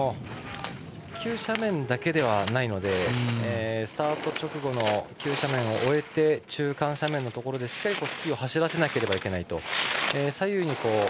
急斜面だけではないのでスタート直後の急斜面を終えて中間斜面のところでしっかりスキーを走らせなければいけない。